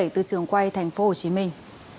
từ trường quay thành phố hồ chí minh